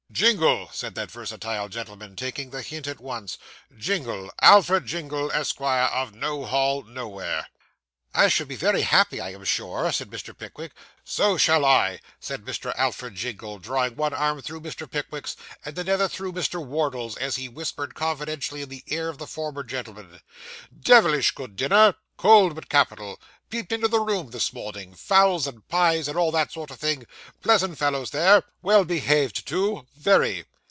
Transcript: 'Jingle,' said that versatile gentleman, taking the hint at once. 'Jingle Alfred Jingle, Esq., of No Hall, Nowhere.' 'I shall be very happy, I am sure,' said Mr. Pickwick. 'So shall I,' said Mr. Alfred Jingle, drawing one arm through Mr. Pickwick's, and another through Mr. Wardle's, as he whispered confidentially in the ear of the former gentleman: 'Devilish good dinner cold, but capital peeped into the room this morning fowls and pies, and all that sort of thing pleasant fellows these well behaved, too very.